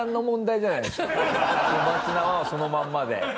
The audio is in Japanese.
小松菜はそのまんまで。